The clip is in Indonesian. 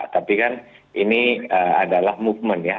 tapi kan ini adalah movement ya